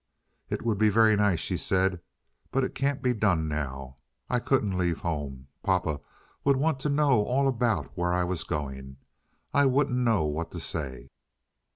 "It would be very nice," she said, "but it can't be done now. I couldn't leave home. Papa would want to know all about where I was going. I wouldn't know what to say."